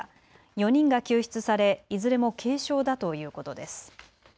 ４人が救出されいずれも軽傷だということです。